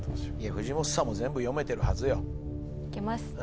藤本さんも全部読めてるはずよいけます